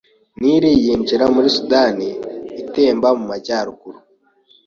Nili yinjira muri Sudani itemba mumajyaruguru